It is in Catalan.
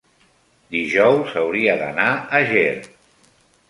dijous hauria d'anar a Ger.